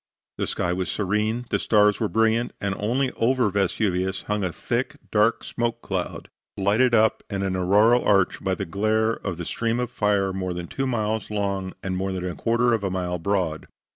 The sky was serene, the stars were brilliant, and only over Vesuvius hung a thick, dark smoke cloud, lighted up into an auroral arch by the glare of a stream of fire more than two miles long, and more than a quarter of a mile broad.